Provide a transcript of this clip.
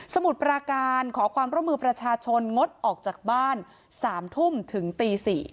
มุดปราการขอความร่วมมือประชาชนงดออกจากบ้าน๓ทุ่มถึงตี๔